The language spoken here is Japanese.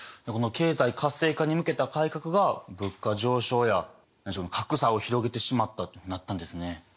経済活性化に向けた改革が物価上昇や格差を広げてしまったというふうになったんですね。